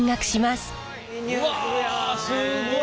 うわすごい！